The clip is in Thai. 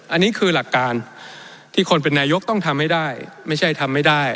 อันนี้คือหลักการที่คนเป็นนายกต้องทำให้ได้ไม่ใช่ทำไม่ได้